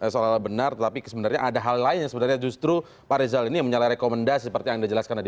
seolah olah benar tetapi sebenarnya ada hal lain yang sebenarnya justru pak rizal ini yang menyalahi rekomendasi seperti yang anda jelaskan tadi